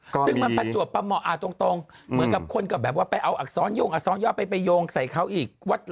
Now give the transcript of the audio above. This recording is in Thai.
ซึ่งมันประจวบประเหมาะตรงเหมือนกับคนก็แบบว่าไปเอาอักษรยงอักษรย่อไปโยงใส่เขาอีก